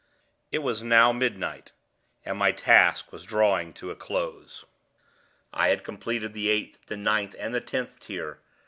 It was now midnight, and my task was drawing to a close. I had completed the eighth, the ninth, and the tenth tier.